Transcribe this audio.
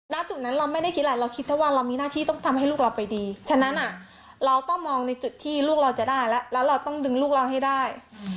ณจุดนั้นเราไม่ได้คิดอะไรเราคิดแค่ว่าเรามีหน้าที่ต้องทำให้ลูกเราไปดีฉะนั้นเราต้องมองในจุดที่ลูกเราจะได้แล้วแล้วเราต้องดึงลูกเราให้ได้